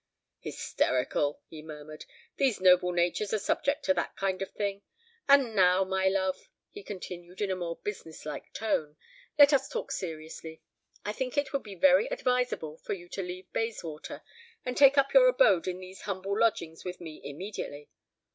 "Hysterical," he murmured. "These noble natures are subject to that kind of thing. And now, my love," he continued, in a more business like tone, "let us talk seriously. I think it would be very advisable for you to leave Bayswater, and take up your abode in these humble lodgings with me immediately."